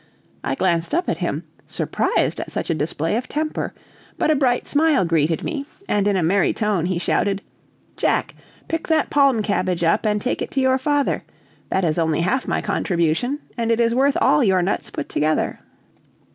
I glanced up at him, surprised at such a display of temper. But a bright smile greeted me, and in a merry tone he shouted: "Jack, pick that palm cabbage up and take it to your father; that is only half my contribution, and it is worth all your nuts put together."